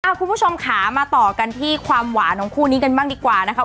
คุณผู้ชมค่ะมาต่อกันที่ความหวานของคู่นี้กันบ้างดีกว่านะคะ